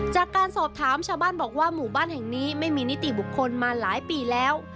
จากการสอบถามชาวบ้านบอกว่าหมู่บ้านแห่งนี้ไม่มีนิติบุคคลมาหลายปีแล้ว